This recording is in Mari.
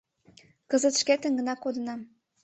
Кызыт шкетын гына кодынам.